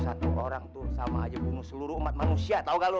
satu orang tuh sama aja bunuh seluruh umat manusia tahu gak lo